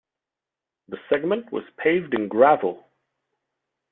The segment was paved in gravel.